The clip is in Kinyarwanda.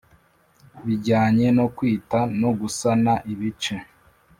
bijyanye no kwita no gusana ibice